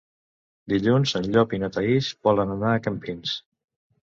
Dilluns en Llop i na Thaís volen anar a Campins.